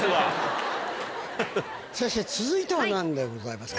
先生続いては何でございますか？